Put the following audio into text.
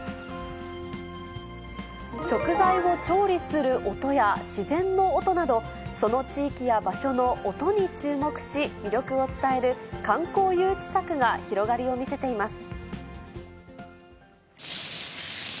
食材を調理する音や自然の音など、その地域や場所の音に注目し、魅力を伝える、観光誘致策が広がりを見せています。